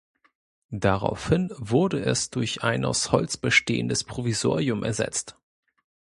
Daraufhin wurde es durch ein aus Holz bestehendes Provisorium ersetzt.